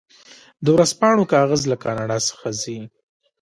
د ورځپاڼو کاغذ له کاناډا څخه ځي.